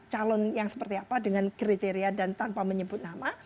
calon yang seperti apa dengan kriteria dan tanpa menyebut nama